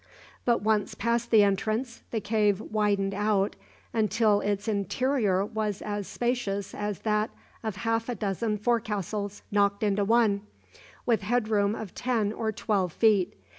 But once past the entrance the cave widened out until its interior was as spacious as that of half a dozen forecastles knocked into one, with head room of ten or twelve feet.